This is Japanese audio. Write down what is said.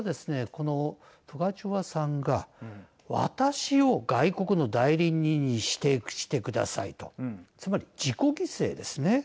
このプガチョワさんが私を外国の代理人にしてくださいとつまり自己犠牲ですね。